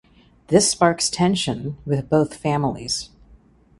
This sparks tension with both families.